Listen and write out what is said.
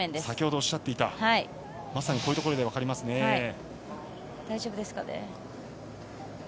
先ほどおっしゃっていたことがこういうところで分かりますね。